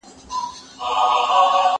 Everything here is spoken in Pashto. ول دښمن دي ړوند دئ، ول بينايي ئې کېږي.